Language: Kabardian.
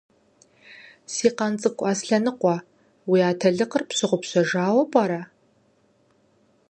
Си къан цӀыкӀу Аслъэныкъуэ! Уи атэлыкъыр пщыгъупщэжауэ пӀэрэ?